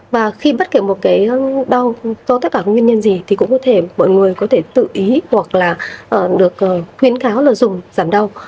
và khi bất kể một cái tất cả nguyên nhân gì thì cũng có thể mọi người có thể tự ý hoặc là được khuyến cáo là dùng giảm đau